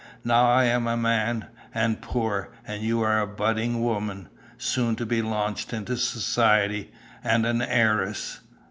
Now I am a man, and poor, and you a budding woman, soon to be launched into society, and an heiress.